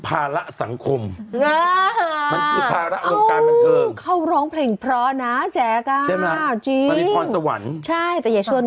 เขาคงไม่เครียดหรอกมัน